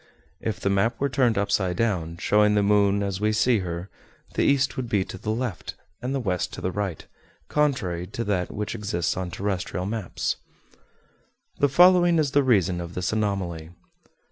If the map were turned upside down, showing the moon as we see her, the east would be to the left, and the west to the right, contrary to that which exists on terrestrial maps. The following is the reason of this anomaly.